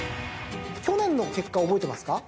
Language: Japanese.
去年の結果覚えてますか？